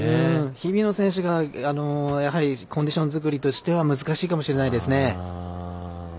日比野選手がコンディション作りとしては難しいかもしれませんね。